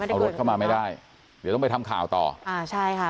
เอารถเข้ามาไม่ได้เดี๋ยวต้องไปทำข่าวต่ออ่าใช่ค่ะ